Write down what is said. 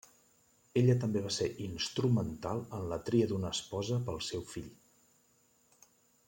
Ella també va ser instrumental en la tria d'una esposa pel seu fill.